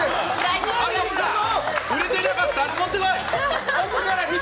売れてなかったあれ持って来い！